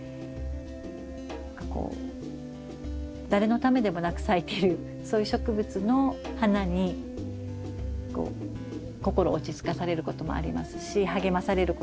何かこう誰のためでもなく咲いてるそういう植物の花にこう心落ち着かされることもありますし励まされることもありますし。